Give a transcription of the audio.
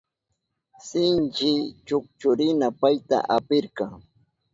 Sinchi chukchurina payta apirka.